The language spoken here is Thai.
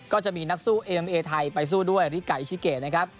ก็จะมีนักสู้เอ็มเอเมเอไทยไปสู้ด้วยริกัอิชิเกต